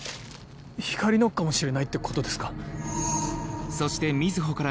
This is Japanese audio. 光莉のかもしれないってことですか？